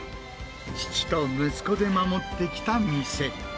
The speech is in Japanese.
父と息子で守ってきた店。